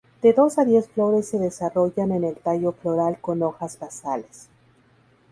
De dos a diez flores se desarrollan en el tallo floral con hojas basales.